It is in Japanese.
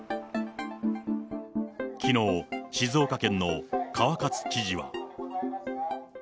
きのう、静岡県の川勝知事は。